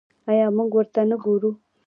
آیا موږ ورته نه ګورو؟